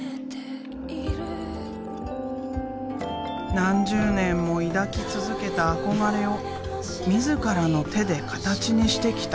何十年も抱き続けた憧れを自らの手でカタチにしてきた。